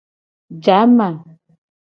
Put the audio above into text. Jama.